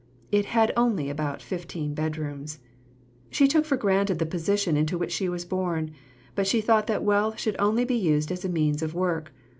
It had only about fifteen bedrooms. She took for granted the position into which she was born. But she thought that wealth should only be used as a means of work.